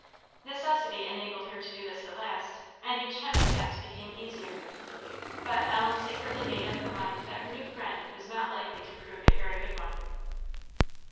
Necessity enabled her to do this at last, and each time the task became easier; but Ellen secretly made up her mind that her new friend was not likely to prove a very good one.